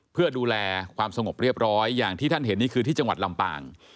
เพื่อดูแลความสงบเรียบร้อยอย่างที่ท่านเห็นนี่คือที่จังหวัดลำปาง